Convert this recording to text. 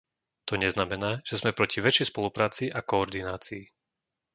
To neznamená, že sme proti väčšej spolupráci a koordinácii.